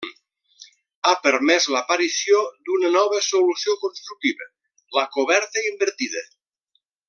Ha permès l'aparició d'una nova solució constructiva: la coberta invertida.